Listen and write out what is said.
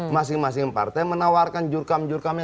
masing masing partai menawarkan jurkam jurkamnya